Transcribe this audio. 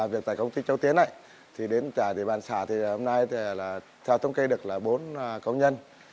đến tại địa bàn xã thì hôm nay theo thông cây được là bốn công nhân